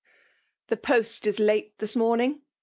"The post is late this morning!